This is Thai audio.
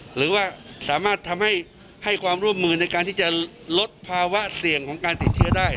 หรือว่าสามารถทำให้ความร่วมมือในการที่จะลดภาวะเสี่ยงของการติดเชื้อได้